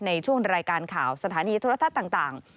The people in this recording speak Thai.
ในช่วงรายการข่าวสถานีธุรทัศน์ต่าง